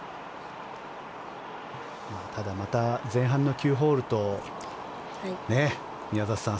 ただ、また前半の９ホールと宮里さん